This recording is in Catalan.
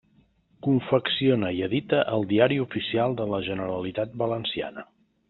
Confecciona i edita el Diari Oficial de la Generalitat Valenciana.